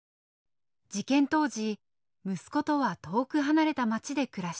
事件当時息子とは遠く離れた町で暮らしていた。